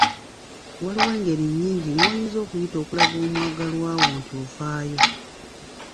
Waliwo engeri nnyingi mw'oyinza okuyita okulaga omwagalwawo nti ofaayo.